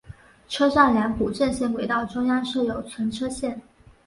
车站两股正线轨道中央设有存车线。